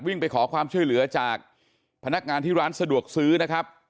ไปขอความช่วยเหลือจากพนักงานที่ร้านสะดวกซื้อนะครับ